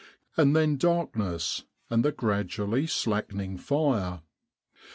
And then darkness and the gradually slackening fire.